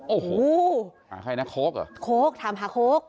โอ้โหหาใครนะโค้กเหรอโค้กถามหาโค้ก